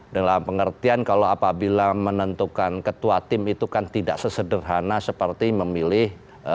dalam pengertian kalau apabila menentukan ketua tim itu kan tidak sesederhana seperti memilih